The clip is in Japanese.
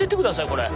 これ。